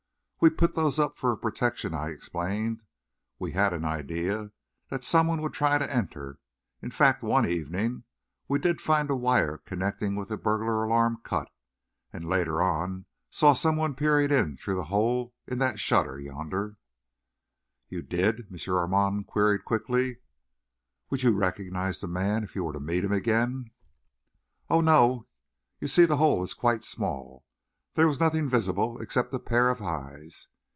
"We put those up for a protection," I explained. "We had an idea that some one would try to enter. In fact, one evening we did find a wire connecting with the burglar alarm cut, and, later on, saw some one peering in through the hole in that shutter yonder." "You did?" M. Armand queried quickly. "Would you recognise the man, if you were to meet him again?" "Oh, no; you see the hole is quite small. There was nothing visible except a pair of eyes.